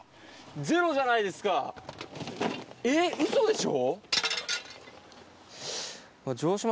ゼロじゃないですかえっウソでしょ？